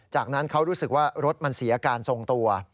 จากนั้นเขารู้สึกว่ารถมันเสียการทรงตัว